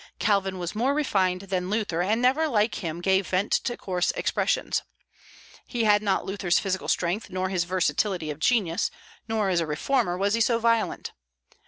Calvin was more refined than Luther, and never like him gave vent to coarse expressions. He had not Luther's physical strength, nor his versatility of genius; nor as a reformer was he so violent.